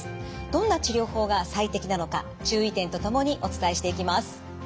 どんな治療法が最適なのか注意点とともにお伝えしていきます。